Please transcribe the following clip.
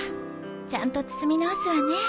ちゃんと包み直すわね。